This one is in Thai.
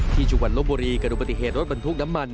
ที่จุภัณฑ์ลบบุรีกระดูกปฏิเหตุรถบันทุกข์น้ำมัน